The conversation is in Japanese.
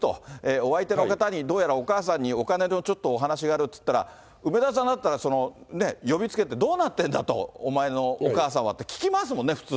お相手の方に、どうやらお母さんにお金のちょっとお話があるっていったら、梅沢さんだったら、呼びつけて、どうなってんだと、お前のお母さんはって聞きますもんね、普通。